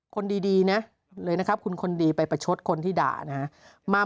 คนดีนะเลยนะครับคุณคนดีไปประชดคนที่ด่านะฮะ